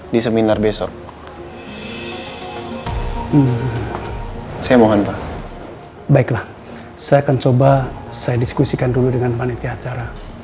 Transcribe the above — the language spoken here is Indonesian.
di seminar besok saya mohon pak baiklah saya akan coba saya diskusikan dulu dengan panitia acara